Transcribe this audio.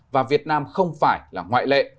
và việt nam không phải là ngoại lệ